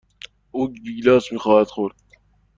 او گیلاس خواهد خورد.